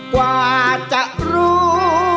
กว่าจะรู้